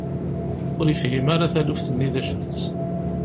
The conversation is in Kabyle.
Ur yefhim ara taluft-nni d acu-tt.